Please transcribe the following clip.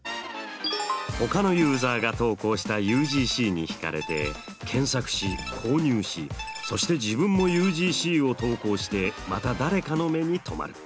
ほかのユーザーが投稿したＵＧＣに引かれて検索し購入しそして自分もＵＧＣを投稿してまた誰かの目に留まる。